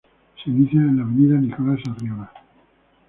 Se inicia en la avenida Nicolás Arriola.